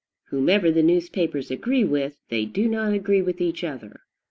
Whomever the newspapers agree with, they do not agree with each other.